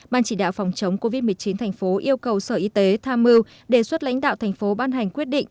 ban chỉ đạo phòng chống covid một mươi chín thành phố yêu cầu sở y tế tham mưu đề xuất lãnh đạo thành phố ban hành quyết định